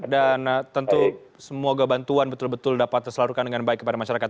dan tentu semoga bantuan betul betul dapat terseluruhkan dengan baik kepada masyarakat